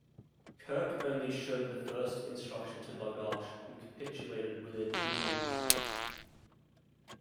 Kirk only showed the first instruction to Barghash, who capitulated within two weeks.